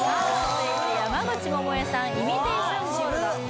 続いて山口百恵さん「イミテイション・ゴールド」